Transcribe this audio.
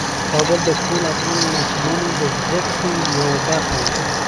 کابل د ټولو افغان ماشومانو د زده کړې یوه موضوع ده.